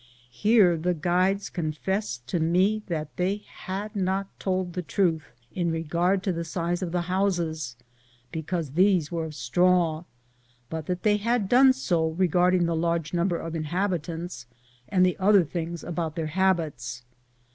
Here the guides confessed to me that they had not told the truth in regard to the size of the houses, because these were of straw, but that they had done so regarding the large number of inhabitants and the other things about their habits.